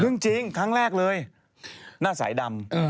จริงครั้งแรกเลยหน้าสายดำ